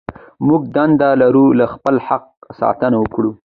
موږ دنده لرو له خپل حق ساتنه وکړو.